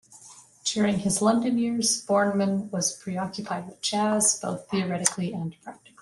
During his London years Borneman was preoccupied with jazz, both theoretically and practically.